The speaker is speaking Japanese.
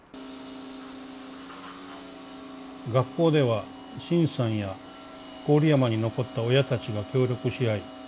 「学校では沈さんや郡山に残った親たちが協力し合い